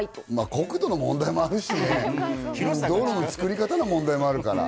国土の問題もあるし道路の作り方の問題があるし。